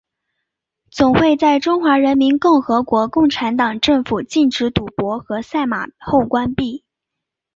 总会在中华人民共和国共产党政府禁止赌博和赛马后关闭。